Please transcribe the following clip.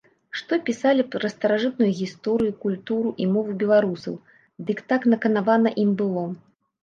Што пісалі пра старажытную гісторыю, культуру і мову беларусаў, дык так наканавана ім было.